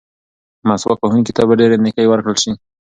مسواک وهونکي ته به ډېرې نیکۍ ورکړل شي.